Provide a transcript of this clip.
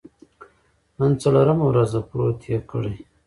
نن څلورمه ورځ ده، پروت یې کړی.